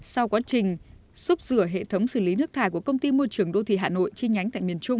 sau quá trình xúc rửa hệ thống xử lý nước thải của công ty môi trường đô thị hà nội chi nhánh tại miền trung